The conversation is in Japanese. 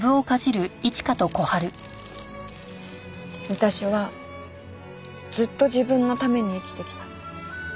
私はずっと自分のために生きてきた。